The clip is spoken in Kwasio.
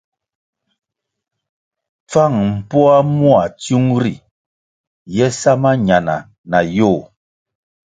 Pfang mpoa mua tsiung ri ye sa mañana na yoh.